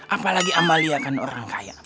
apalagi amaliah produced by arahant